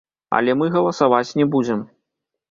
Але мы галасаваць не будзем.